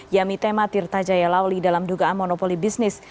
yami tema tirta jaya lawli dalam dugaan monopoli bisnis